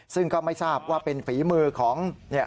ซึ่งก็ไม่ทราบว่าเป็นฝีมือของเนี่ย